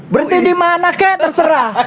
berhenti dimana kek terserah